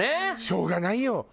しょうがないよ。